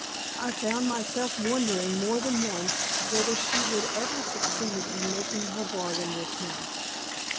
I found myself wondering more than once whether she would ever succeed in making her bargain with him.